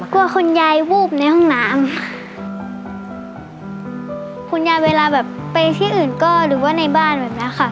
คุณยายวูบในห้องน้ำค่ะคุณยายเวลาแบบไปที่อื่นก็หรือว่าในบ้านแบบเนี้ยค่ะ